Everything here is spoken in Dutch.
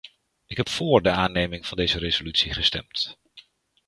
Ik heb voor de aanneming van deze resolutie gestemd.